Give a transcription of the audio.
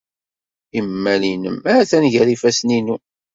Imal-nnem atan gar yifassen-inu.